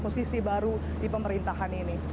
posisi baru di pemerintahan ini